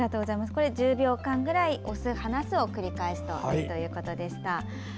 これは１０秒間ぐらい押す、離すを繰り返すということでした。